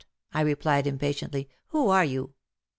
" I replied impatiently. " Who are you